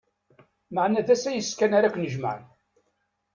Maɛna d asayes kan ara ken-ijemɛen.